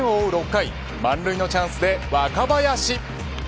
６回満塁のチャンスで若林。